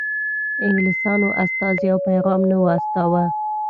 انګلیسیانو استازی او پیغام نه و استاوه.